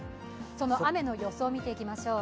その雨の予想を見ていきましょう。